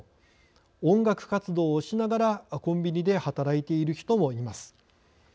音楽活動をしながらコンビニで働いている人もいます。